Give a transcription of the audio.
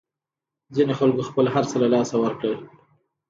ځینو خلکو خپل هرڅه له لاسه ورکړل.